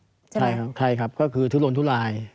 ไม่ถูกใครครับคือทุลลนทุลลาย